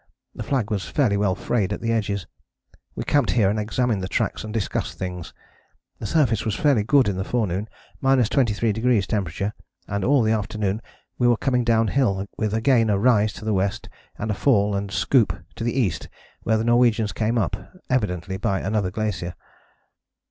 The flag was fairly well frayed at the edges. We camped here and examined the tracks and discussed things. The surface was fairly good in the forenoon 23° temperature, and all the afternoon we were coming downhill with again a rise to the W., and a fall and a scoop to the east where the Norwegians came up, evidently by another glacier."